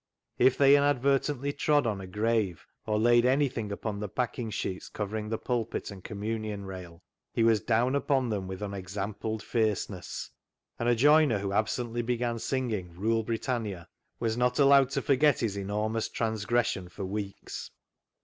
If they inadvertently trod on a grave or laid anything upon the packing sheets covering the pulpit and communion rail, he was down upon them with unexampled fierceness ; and a joiner who absently began singing " Rule Britannia" was not allowed to forget his enor mous transgression for weeks.